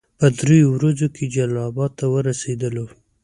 په دریو ورځو کې جلال اباد ته ورسېدلو.